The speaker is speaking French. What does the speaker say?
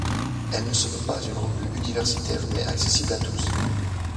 Elle ne se veut pas une revue universitaire mais accessible à tous.